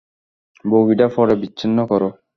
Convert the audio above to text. বগিটা পরে বিচ্ছিন্ন করো!